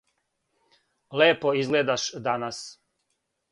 Лепо изгледаш данас.